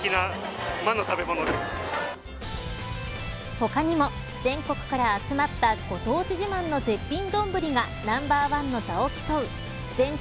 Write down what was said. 他にも全国から集まったご当地自慢の絶品どんぶりがナンバー１の座を競う全国